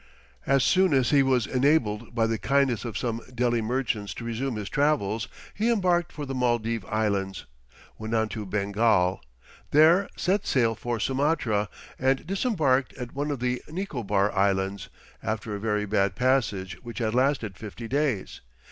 As soon as he was enabled by the kindness of some Delhi merchants to resume his travels, he embarked for the Maldive Islands, went on to Bengal, there set sail for Sumatra, and disembarked at one of the Nicobar Islands after a very bad passage which had lasted fifty days.